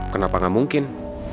kenapa gak mungkin